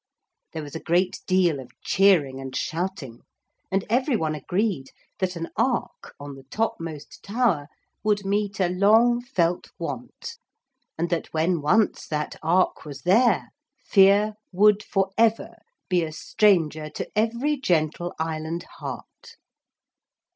There was a great deal of cheering and shouting, and every one agreed that an ark on the topmost tower would meet a long felt want, and that when once that ark was there, fear would for ever be a stranger to every gentle island heart.